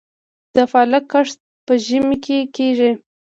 د پالک کښت په ژمي کې کیږي؟